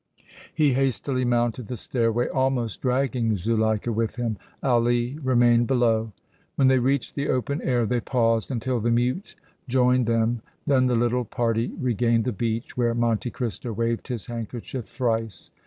He hastily mounted the stairway, almost dragging Zuleika with him. Ali remained below. When they reached the open air they paused until the mute joined them; then the little party regained the beach, where Monte Cristo waved his handkerchief thrice.